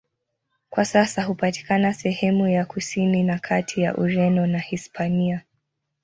Kwa sasa hupatikana sehemu ya kusini na kati ya Ureno na Hispania.